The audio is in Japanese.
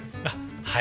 はい。